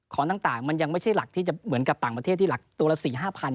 ของต่างมันยังไม่ใช่เหมือนกับต่างประเทศที่หลักตัวละ๔๕พัน